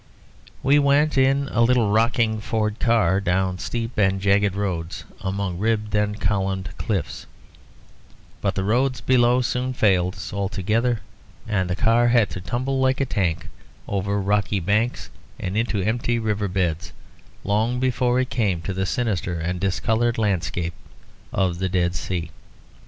We went in a little rocking Ford car down steep and jagged roads among ribbed and columned cliffs; but the roads below soon failed us altogether; and the car had to tumble like a tank over rocky banks and into empty river beds, long before it came to the sinister and discoloured landscapes of the Dead Sea.